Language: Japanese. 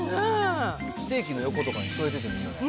ステーキの横とかに添えててもいいよね。